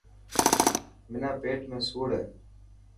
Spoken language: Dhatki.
منا پيٽ ۾ سوڙ هي.